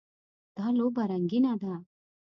دا لوبه رنګینه ده.